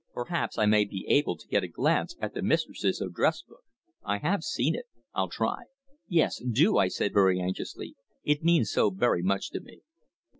"Perhaps I may be able to get a glance at the mistress's address book. I have seen it. I'll try." "Yes do!" I said very anxiously. "It means so very much to me."